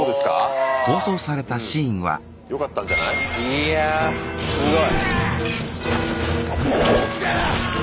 いやあすごい！